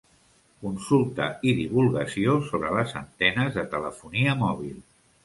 Consulta i divulgació sobre les antenes de telefonia mòbil.